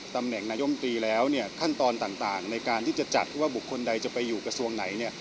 ตำแหน่งนายมตรีแล้วเนี่ยขั้นตอนต่างในการที่จะจัดว่าบุคคลใดจะไปอยู่กระทรวงไหนเนี่ย